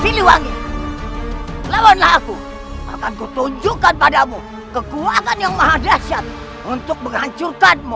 siluwangi lawanlah aku akan kutunjukkan padamu kekuatan yang mahadasyat untuk menghancurkanmu